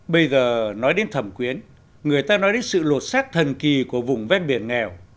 bây giờ nói đến thẩm quyến người ta nói đến sự lột sát thần kỳ của vùng ven biển nghèo